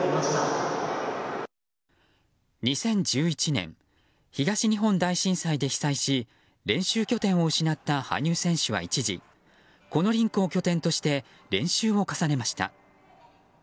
２０１１年東日本大震災で被災し練習拠点を失った羽生選手は一時、このリンクを拠点として練習を重ねました。